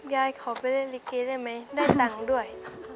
ยายขอไปริเกย์ได้ไหมได้ตังค์ด้วย